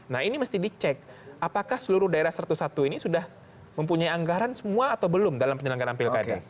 nah ini mesti dicek apakah seluruh daerah satu ratus satu ini sudah mempunyai anggaran semua atau belum dalam penyelenggaraan pilkada